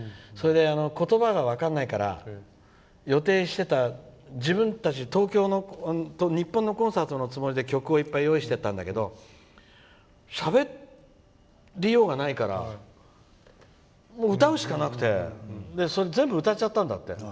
言葉が分からないから日本のコンサートのつもりで曲を用意していたんだけどしゃべりようがないから歌うしかなくて全部歌っちゃったんだって。